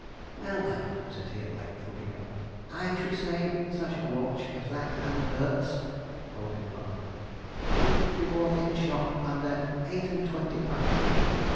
'Well, now,' said he, at length, looking up, 'I should say, such a watch as that and appurts,' holding them up, 'couldn't be bought in a shop under eight and twenty pund.'